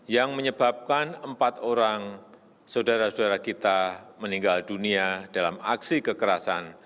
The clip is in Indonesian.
yang menyebabkan empat orang saudara saudara kita meninggal dunia dalam aksi kekerasan